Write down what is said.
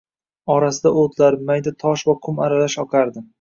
Orasida o`tlar, mayda tosh va qum aralash oqardi